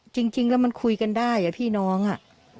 จริงแล้วมันคุยกันได้อ่ะพี่น้องอ่ะ